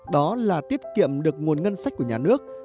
đó là tiết kiệm được nguồn ngân sách của nhà nước